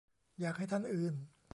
อยากให้ท่านอื่น